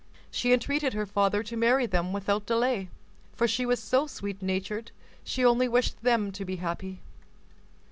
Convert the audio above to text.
She entreated her father to marry them without delay, for she was so sweet natured, she only wished them to be happy.